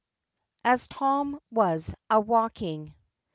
AS TOM WAS A WALKING.